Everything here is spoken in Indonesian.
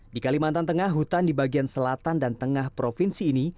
di kalimantan tengah hutan di bagian selatan dan tengah provinsi ini